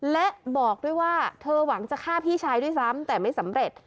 และบอกด้วยว่าเธอหวังจะฆ่าพี่ชายด้วยซ้ำแต่ไม่สำเร็จ